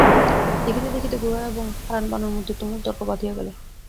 দেখিতে দেখিতে গোরা এবং হারানবাবুর মধ্যে তুমুল তর্ক বাধিয়া গেল।